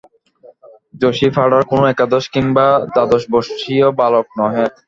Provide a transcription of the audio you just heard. যশি পাড়ার কোনো একাদশ কিংবা দ্বাদশবর্ষীয় বালক নহে।